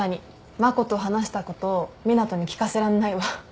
真子と話したこと湊斗に聞かせらんないわ。